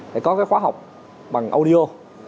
thì có cái khóa học bằng audio